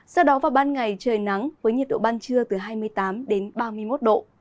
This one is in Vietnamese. sau đó vào ban ngày trời nắng với nhiệt độ ban trưa từ hai mươi tám đến ba mươi một độ